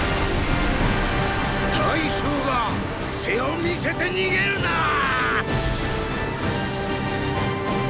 大将が背を見せて逃げるなァァ！！